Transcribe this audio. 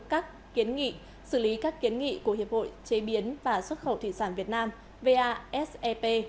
các kiến nghị xử lý các kiến nghị của hiệp hội chế biến và xuất khẩu thủy sản việt nam vasep